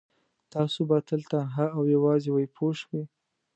تاسو به تل تنها او یوازې وئ پوه شوې!.